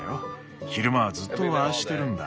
昼間はずっとああしてるんだ。